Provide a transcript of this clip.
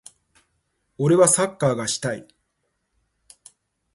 俺はサッカーがしたい。